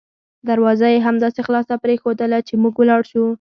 دروازه یې همداسې خلاصه پریښودله چې موږ ولاړ شوو.